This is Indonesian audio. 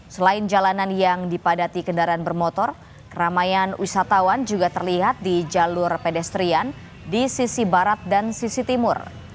selain jalanan yang dipadati kendaraan bermotor keramaian wisatawan juga terlihat di jalur pedestrian di sisi barat dan sisi timur